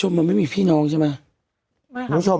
มันไม่มีพี่น้องใช่ไหม